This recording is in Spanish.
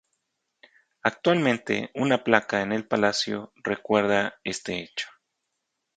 Actualmente, una placa en el Palacio recuerda este hecho.